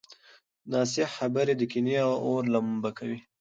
ناصحيح خبرې د کینې اور لمبه کوي.